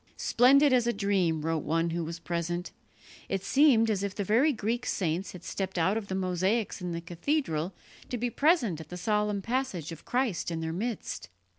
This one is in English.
"Splendid as a dream," wrote one who was present, "it seemed as if the very Greek saints had stepped out of the mosaics in the cathedral to be present at the solemn passage of Christ in their midst."